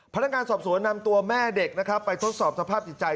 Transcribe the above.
พนักการสอบสวนนำตัวแม่เด็กไปทดสอบสภาพติดใจ